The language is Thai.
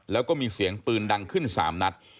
แล้วก็มีเสียงปืนดังขึ้น๓นัด